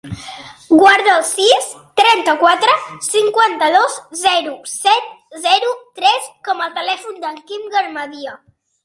Guarda el sis, trenta-quatre, cinquanta-dos, zero, set, zero, tres com a telèfon del Quim Garmendia.